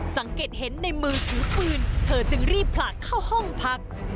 สังเกตเห็นในมือถือปืนเธอจึงรีบผลักเข้าห้องพัก